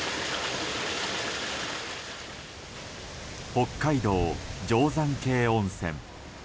北海道定山渓温泉。